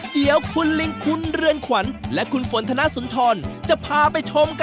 เดี๋ยวคุณลิงคุณเรือนขวัญและคุณฝนธนสุนทรจะพาไปชมกัน